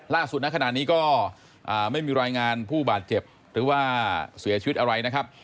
ณขณะนี้ก็ไม่มีรายงานผู้บาดเจ็บหรือว่าเสียชีวิตอะไรนะครับ